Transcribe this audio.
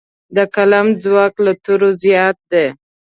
د قلم ځواک له تورو زیات دی.